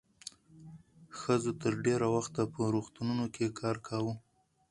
ښځو تر ډېره وخته په روغتونونو کې کار کاوه.